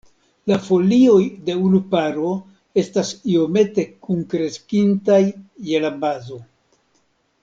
La folioj de unu paro estas iomete kunkreskintaj je la bazo.